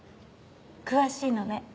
詳しいのね。